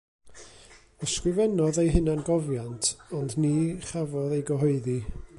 Ysgrifennodd ei hunangofiant, ond ni chafodd ei gyhoeddi.